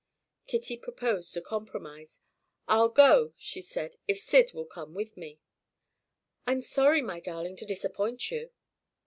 Kitty proposed a compromise; "I'll go," she said, "if Syd will come with me." "I'm sorry, my darling, to disappoint you."